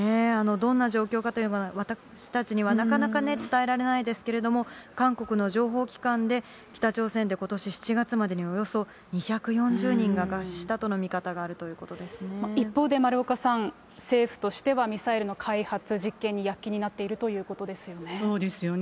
どんな状況かというのが私たちにはなかなかね、伝えられないですけど、韓国の情報機関で、北朝鮮でことし７月までにおよそ２４０人が餓死したとの見方があ一方で丸岡さん、政府としてはミサイルの開発・実験にやっきになっているというこそうですよね。